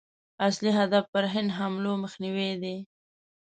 اصلي هدف پر هند حملو مخنیوی دی.